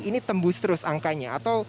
ini tembus terus angkanya